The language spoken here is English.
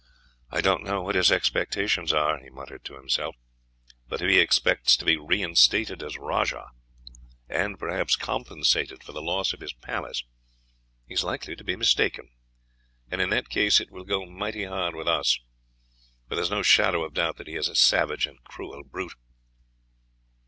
I don't know what his expectations are," he muttered to himself; "but if he expects to be reinstated as rajah, and perhaps compensated for the loss of his palace, he is likely to be mistaken; and in that case it will go mighty hard with us, for there is no shadow of doubt that he is a savage and cruel brute."